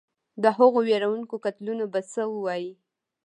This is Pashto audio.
د هغو وېروونکو قتلونو به څه ووایې.